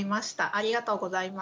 ありがとうございます。